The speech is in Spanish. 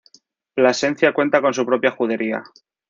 Plasencia cuenta con su propia judería.